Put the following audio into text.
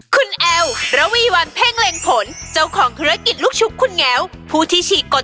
ขอต้อนรับคุณแอ๋วเจ้าของธุรกิจลูกชุบคุณแงวค่ะ